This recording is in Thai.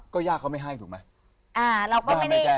ก็ย่าเขาไม่ให้ถูกไหม